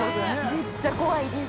◆めっちゃ怖いです。